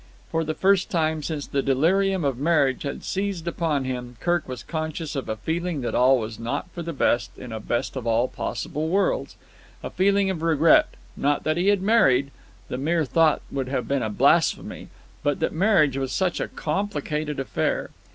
For the first time since the delirium of marriage had seized upon him, Kirk was conscious of a feeling that all was not for the best in a best of all possible worlds, a feeling of regret, not that he had married—the mere thought would have been a blasphemy—but that marriage was such a complicated affair.